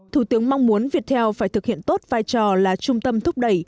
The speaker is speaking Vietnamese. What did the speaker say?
thủ tướng mong muốn viettel phải thực hiện tốt vai trò là trung tâm thúc đẩy